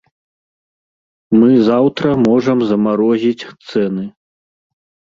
Мы заўтра можам замарозіць цэны.